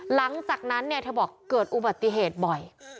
หลังจากนั้นเนี่ยเธอบอกเกิดอุบัติเหตุบ่อย